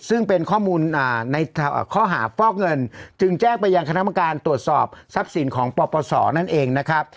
ซึ่งเป็นข้อมูลในข้อหาฟอกเงินจึงแจ้งไปยังคณะกรรมการตรวจสอบทรัพย์สินของปปศนั่นเองนะครับ